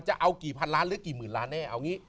จะเอากี่พันล้านหรือกี่หมื่นล้านแน่